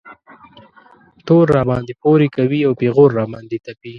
تور راباندې پورې کوي او پېغور را باندې تپي.